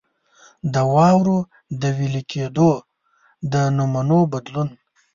د واورو د وېلې کېدو د نمونو بدلون.